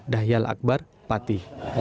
dahyal akbar pati